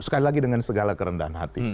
sekali lagi dengan segala kerendahan hati